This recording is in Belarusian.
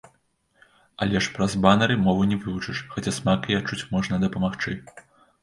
Але ж праз банэры мову не вывучыш, хаця смак яе адчуць можна дапамагчы.